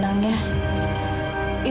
makanya ibu berpikir